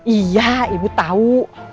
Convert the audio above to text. iya ibu tahu